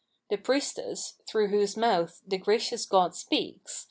The priestess, through whose mouth the gracious god speaks